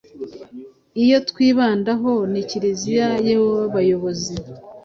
Iyo twibandaho ni Kiliziya y'abayobozi